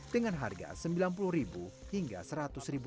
dengan harga rp sembilan puluh hingga rp seratus